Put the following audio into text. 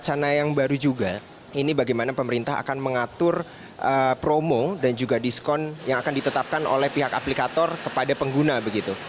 wacana yang baru juga ini bagaimana pemerintah akan mengatur promo dan juga diskon yang akan ditetapkan oleh pihak aplikator kepada pengguna begitu